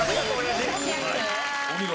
お見事。